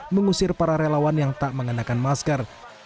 mengusir para relawan yang tak mengenakan masker